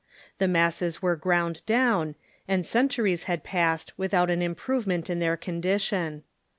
The masses were ground down, and centuries had passed without an im provement in their condition.